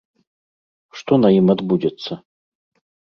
Што на ім адбудзецца?